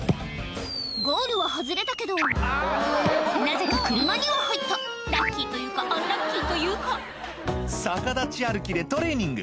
ゴールは外れたけどなぜか車には入ったラッキーというかアンラッキーというか逆立ち歩きでトレーニング